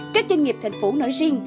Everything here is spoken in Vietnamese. các doanh nghiệp thành phố nói riêng